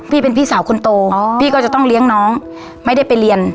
พี่เป็นพี่สาวคนโตพี่ก็จะต้องเลี้ยงน้องไม่ได้ไปเรียน